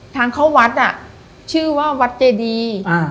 ทางเขาวัดชื่อว่าวัดเจดี